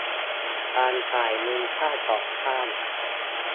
การจ่ายเงินค่าก่อสร้าง